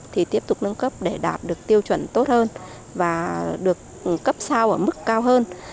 thì tiếp tục nâng cấp để đạt được tiêu chuẩn tốt hơn và được cấp sao ở mức cao hơn